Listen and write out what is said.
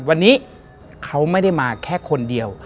วันนี้เขาไม่ได้มาแค่คนเดียว